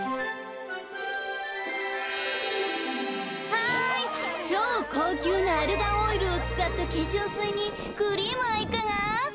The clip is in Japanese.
はいちょうこうきゅうなアルガンオイルをつかったけしょうすいにクリームはいかが？